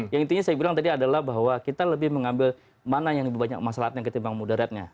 yang intinya saya bilang tadi adalah bahwa kita lebih mengambil mana yang lebih banyak masalahnya ketimbang mudaratnya